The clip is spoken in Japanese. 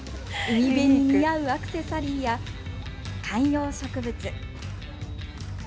海辺に似合うアクセサリーや観葉植物。